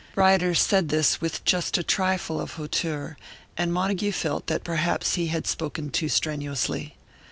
Ryder said this with just a trifle of hauteur, and Montague felt that perhaps he had spoken too strenuously.